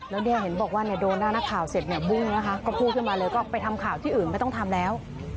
แล้วเนี่ยเห็นบอกว่าเนี่ยโดนหน้านักข่าวเสร็จเนี่ยบุ้งนะคะก็พูดขึ้นมาเลยก็ไปทำข่าวที่อื่นไม่ต้องทำแล้ว